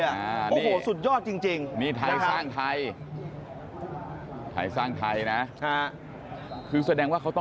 โอ้โหสุดยอดจริงครับ